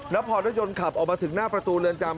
แล้วพอรถยนต์ขับออกมาถึงหน้าประตูเรือนจำ